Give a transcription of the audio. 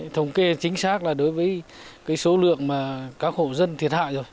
thống kê chính xác là đối với số lượng mà các hộ dân thiệt hại rồi